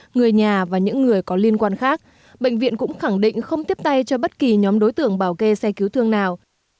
người nhà và những người có liên quan khác bệnh viện cũng khẳng định không tiếp tay cho bất kỳ nhóm đối tượng bảo kê xe cứu thương nào